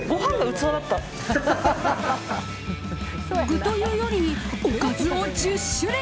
具というよりおかずを１０種類。